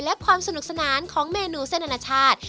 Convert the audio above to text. และความสนุกสนานของเมนูเส้นอนาชาติ